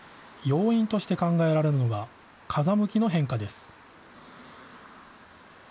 要因として考えられるのが、風向きの変化です。